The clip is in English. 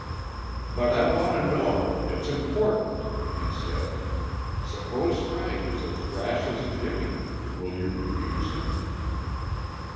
"But I want to know It's important," he said. "Suppose Frank is as rash as Jimmy? Will you refuse him?"